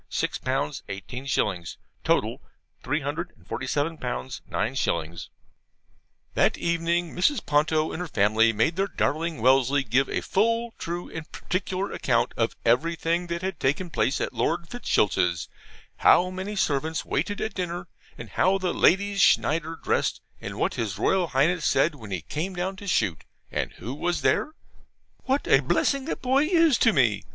.. 6 18 0 Total L347 9 0 That evening Mrs. Ponto and her family made their darling Wellesley give a full, true, and particular account of everything that had taken place at Lord Fitzstultz's; how many servants waited at dinner; and how the Ladies Schneider dressed; and what his Royal Highness said when he came down to shoot; and who was there? "What a blessing that boy is to me!"